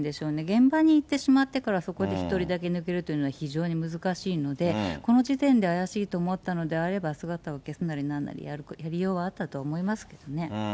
現場に行ってしまってから、そこで１人だけ抜けるというのは、非常に難しいので、この時点で怪しいと思ったのであれば、姿を消すなりなんなり、やりようはあったと思いますけどね。